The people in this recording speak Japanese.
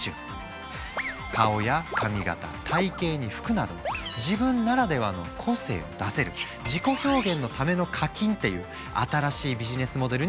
顔や髪形体型に服など自分ならではの個性を出せる自己表現のための課金っていう新しいビジネスモデルになったんだ。